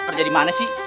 kerja dimana sih